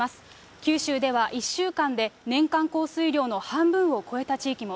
九州では１週間で年間降水量の半分を超えた地域も。